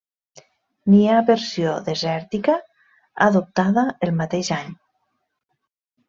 N'hi ha versió desèrtica, adoptada el mateix any.